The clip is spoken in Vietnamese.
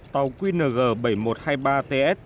tàu qng bảy nghìn một trăm hai mươi ba ts